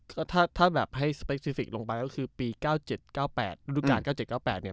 อ่าถ้าถ้าแบบให้ลงไปก็คือปีเก้าเจ็ดเก้าแปดอืมรูปการณ์เก้าเจ็ดเก้าแปดเนี้ย